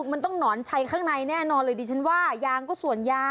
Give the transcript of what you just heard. มายังห่ามอยู่เลย